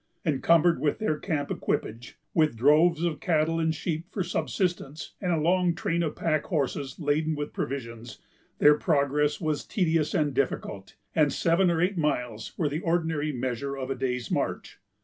Encumbered with their camp equipage, with droves of cattle and sheep for subsistence, and a long train of pack horses laden with provisions, their progress was tedious and difficult, and seven or eight miles were the ordinary measure of a day's march.